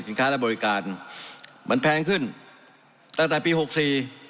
ค้าและบริการมันแพงขึ้นตั้งแต่ปีหกสี่